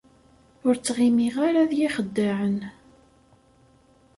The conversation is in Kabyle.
Ur ttɣimiɣ ara d yixeddaɛen.